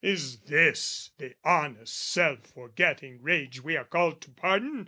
"Is this the honest self forgetting rage "We are called to pardon?